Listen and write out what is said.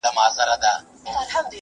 وايی وژلي مي افغانان دي ,